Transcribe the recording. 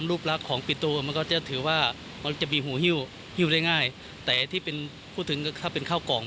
รู้สึกว่ามันดีเหมือนกัน